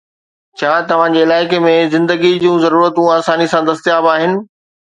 ڇا توهان جي علائقي ۾ زندگي جون ضرورتون آساني سان دستياب آهن؟